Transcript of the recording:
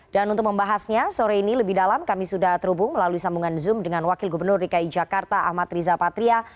dan untuk membahasnya sore ini lebih dalam kami sudah terhubung melalui sambungan zoom dengan wakil gubernur dki jakarta ahmad riza patria